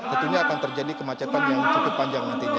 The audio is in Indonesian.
tentunya akan terjadi kemacetan yang cukup panjang nantinya